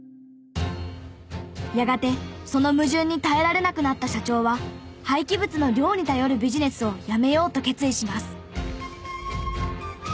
やがてその矛盾に耐えられなくなった社長は廃棄物の量に頼るビジネスをやめようと決意します。